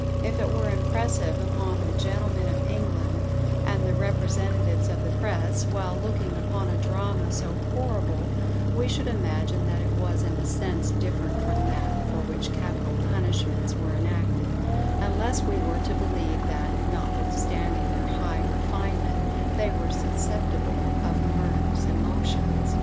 If it were impressive upon the "gentlemen of England," and the representatives of the press, while looking upon a drama so horrible, we should imagine that it was in a sense different from that for which capital punishments were enacted; unless we were to believe that, notwithstanding their high refinement, they were susceptible of murderous emotions.